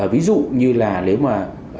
ví dụ như là nếu mà